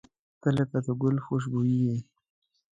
• ته لکه د ګل خوشبويي یې.